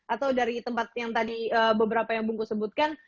atau dari tempat yang tadi beberapa yang bungku sebutkan